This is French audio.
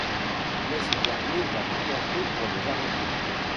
Mais ce dernier va tout tenter pour les arrêter.